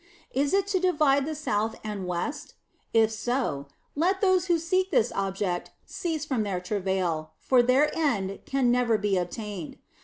Is it to divide the South and West? If so, let those who seek this object cease from their travail, for their end can never be obtained.